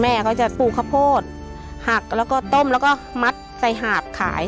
แม่เขาจะปลูกข้าวโพดหักแล้วก็ต้มแล้วก็มัดใส่หาดขาย